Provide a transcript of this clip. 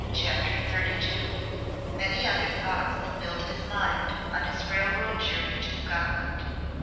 CHAPTER XXXII Many other thoughts filled his mind on his railroad journey to Scotland.